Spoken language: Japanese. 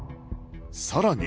さらに